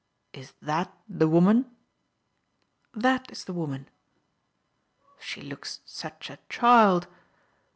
" Is that the wonian ?" ''That is the woman.*' " She looks such a child